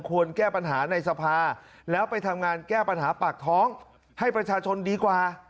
แก้ปัญหาในสภาแล้วไปทำงานแก้ปัญหาปากท้องให้ประชาชนดีกว่า